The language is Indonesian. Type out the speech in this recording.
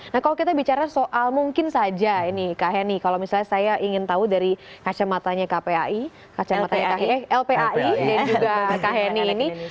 nah kalau kita bicara soal mungkin saja ini kak heni kalau misalnya saya ingin tahu dari kacamatanya kpai kacamata lpai dan juga kak heni ini